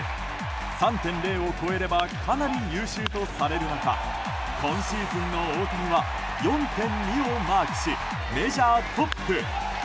３．０を超えればかなり優秀とされる中今シーズンの大谷は４．２をマークしメジャートップ。